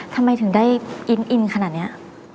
ทำไมถึงได้อินขนาดนี้